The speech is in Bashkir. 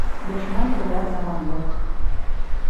Дошман теләр яманлыҡ.